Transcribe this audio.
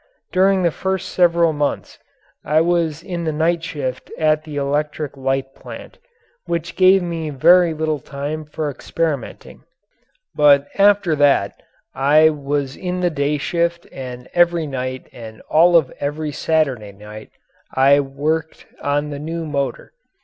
During the first several months I was in the night shift at the electric light plant which gave me very little time for experimenting but after that I was in the day shift and every night and all of every Saturday night I worked on the new motor.